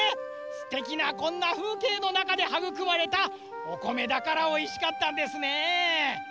すてきなこんなふうけいのなかではぐくまれたおこめだからおいしかったんですね。